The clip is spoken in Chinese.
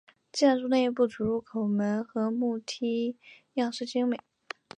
建筑内部主入口门和木楼梯样式精美。